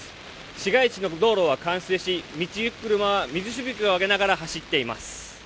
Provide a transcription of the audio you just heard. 市街地の道路は冠水し、道行く車は水しぶきを上げながら走っています